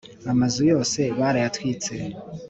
amazu yose barayatwitse